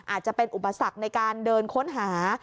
อาจจะเป็นอุปสรรคในการเดินค้นหา